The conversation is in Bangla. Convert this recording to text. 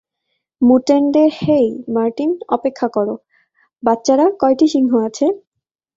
মুটেন্ডে - হেই, মার্টিন অপেক্ষা কর, বাচ্চারা - কয়টি সিংহ আছে?